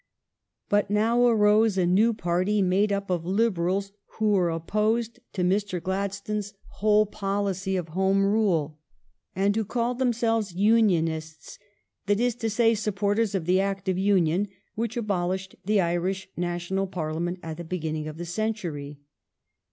But now arose a new party, made up of Liberals who were opposed to Mr. Gladstone's whole policy HOME RULE 369 of Home Rule and who called themselves Union ists, that is to say, supporters of the Act of Union which abolished the Irish National Parliament at the beginning of the century.